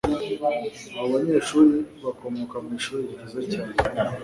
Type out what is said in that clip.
Abo banyeshuri bakomoka mwishuri ryiza cyane.